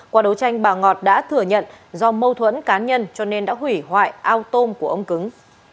qua đấu tranh bà ngọt đã thừa nhận do mâu thuẫn cá nhân cho nên đã hủy hoại ao tôm của ông cứng